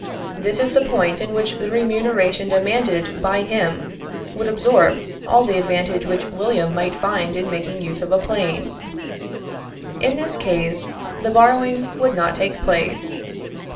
This is the point in which the remuneration demanded by him would absorb all the advantage which William might find in making use of a plane. In this case, the borrowing would not take place.